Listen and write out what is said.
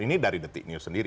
ini dari detik news sendiri